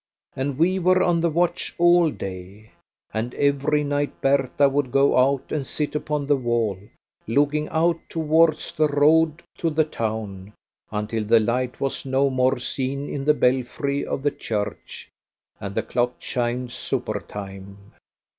And we were on the watch all day, and every night Bertha would go out and sit upon the wall, looking out towards the road to the town, until the light was no more seen in the belfry of the church, and the clock chimed supper time.